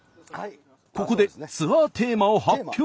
ここでツアーテーマを発表！